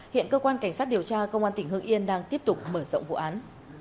hiện cơ quan cảnh sát điều tra công an tỉnh hưng yên đang tiếp tục mở rộng vụ án